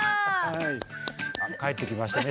帰ってきましたね